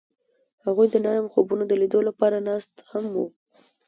هغوی د نرم خوبونو د لیدلو لپاره ناست هم وو.